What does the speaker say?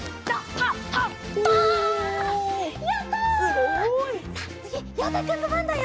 すごい！さあつぎようたくんのばんだよ。